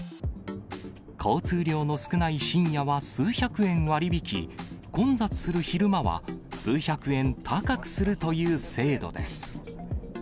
交通量の少ない深夜は数百円割り引き、混雑する昼間は数百円高くするという制度です。